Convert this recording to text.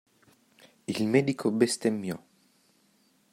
Il medico bestemmiò.